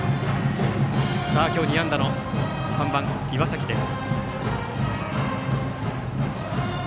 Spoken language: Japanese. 打席には今日２安打の３番、岩崎です。